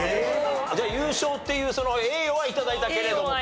じゃあ優勝っていう栄誉は頂いたけれどもと。